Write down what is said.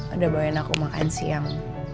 udah bawain aku makan siang